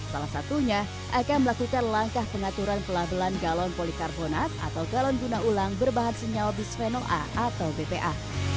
salah satunya akan melakukan langkah pengaturan pelabelan galon polikarbonat atau galon guna ulang berbahan senyawa bisphenom a atau bpa